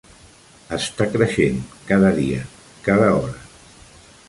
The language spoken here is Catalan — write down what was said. Està creixent, cada dia, cada hora.